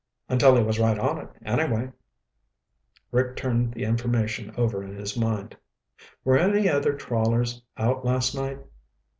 Until he was right on it, anyway." Rick turned the information over in his mind. "Were any other trawlers out last night?"